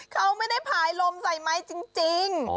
เขาไม่ได้ผายลมใส่ไม้จริง